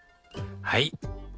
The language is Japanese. はい。